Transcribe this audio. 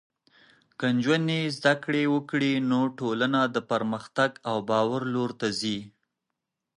که نجونې زده کړه وکړي، نو ټولنه د پرمختګ او باور لور ته ځي.